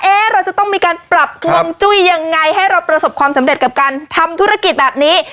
เราจะต้องมีการปรับฮวงจุ้ยยังไงให้เราประสบความสำเร็จกับการทำธุรกิจแบบนี้